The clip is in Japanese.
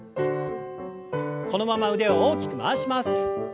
このまま腕を大きく回します。